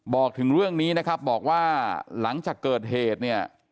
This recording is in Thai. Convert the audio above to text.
บอกถึงเรื่องนี้นะครับบอกว่าหลังจากเกิดเหตุเนี่ย